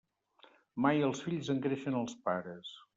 Mai els fills engreixen als pares.